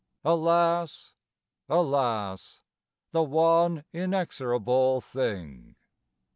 (Alas, alas, The one inexorable thing!)